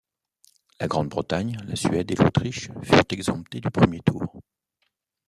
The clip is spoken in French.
La Grande-Bretagne, la Suède et l'Autriche furent exemptés du premier tour.